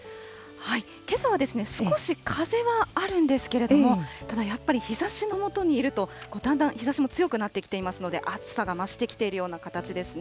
けさは少し風はあるんですけれども、ただ、やっぱり日ざしのもとにいると、だんだん日ざしも強くなってきていますので、暑さが増してきているような形ですね。